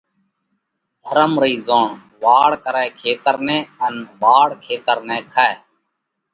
ڌرم رئِي زوڻ ”واڙ ڪرئہ کيتر نئہ ان واڙ کيتر نئہ کائہ۔“: